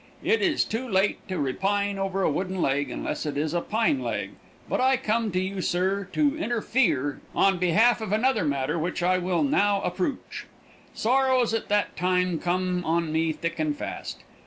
It is too late to repine over a wooden leg, unless it is a pine leg, but I come to you, sir, to interfear on behalf of another matter which I will now aprooch. Sorrows at that time come on me thick and fast.